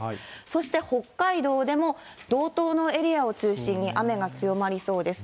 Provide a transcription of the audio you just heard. そして北海道でも、道東のエリアを中心に雨が強まりそうです。